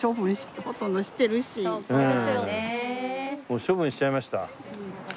もう処分しちゃいました。